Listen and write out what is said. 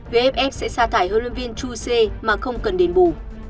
vff sẽ sa thải hlv chu xie mà không cần đền bù